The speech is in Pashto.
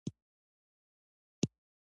ایا ساه مو تنګه ده؟